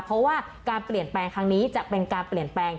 เพราะว่าการเปลี่ยนแปลงครั้งนี้จะเป็นการเปลี่ยนแปลง